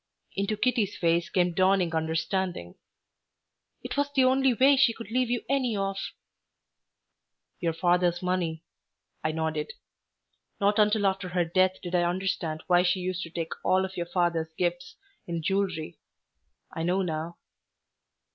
Into Kitty's face came dawning understanding. "It was the only way she could leave you any of " "Your father's money," I nodded. "Not until after her death did I understand why she used to take all of your father's gifts in jewelry. I know now."